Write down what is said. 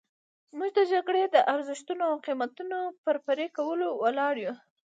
موږ د جګړې د ارزښتونو او قیمتونو پر پرې کولو ولاړ یو.